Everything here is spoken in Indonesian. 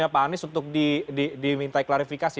pak anies untuk dimintai klarifikasi